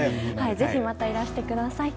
ぜひまたいらしてください。